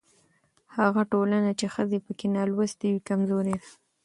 هغه ټولنه چې ښځې پکې نالوستې وي کمزورې ده.